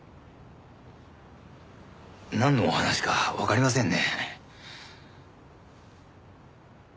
なんのお話かわかりませんね。